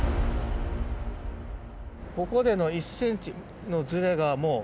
ここでの１ｃｍのズレがもう。